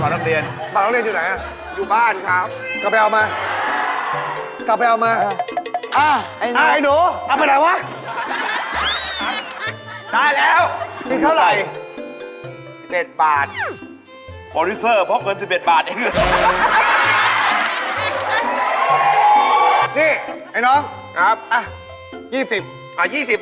นี่ไอ้น้องนะครับเอ้า๒๐บาทนะครับ